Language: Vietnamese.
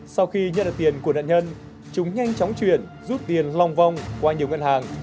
sau khi nhận được tiền của nạn nhân chúng nhanh chóng chuyển rút tiền long vong qua nhiều ngân hàng